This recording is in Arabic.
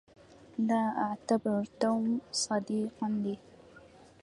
لا أعتبر توم صديقا لي.